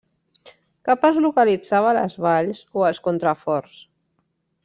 Cap es localitzava a les valls o als contraforts.